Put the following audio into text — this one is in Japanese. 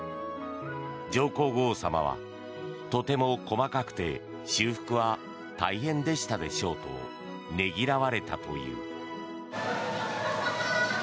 上皇后さまは、とても細かくて修復は大変でしたでしょうとねぎらわれたという。